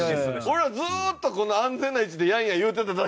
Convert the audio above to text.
俺らずっとこの安全な位置でやんや言うてただけ。